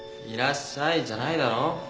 「いらっしゃい」じゃないだろ。